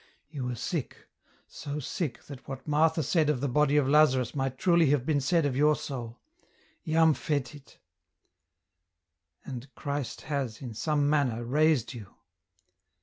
" You were sick, so sick that what Martha said of '.he body of Lazarus might truly have been said of your !»oul, ' lam foetet I ' And Christ has, in some manner, t aised you.